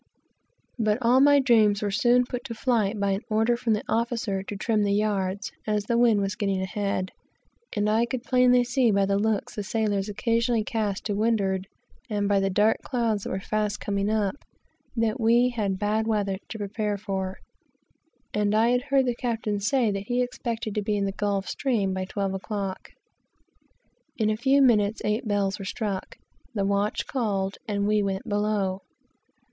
But all my dreams were soon put to flight by an order from the officer to trim the yards, as the wind was getting ahead; and I could plainly see by the looks the sailors occasionally cast to windward, and by the dark clouds that were fast coming up, that we had bad weather to prepare for, and had heard the captain say that he expected to be in the Gulf Stream by twelve o'clock. In a few minutes eight bells were struck, the watch called, and we went below.